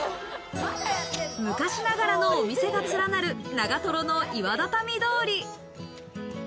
昔ながらのお店が連なる長瀞の岩畳通り。